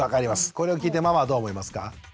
これを聞いてママはどう思いますか？